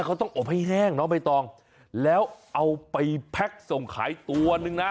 เขาต้องอบให้แห้งน้องใบตองแล้วเอาไปแพ็คส่งขายตัวนึงนะ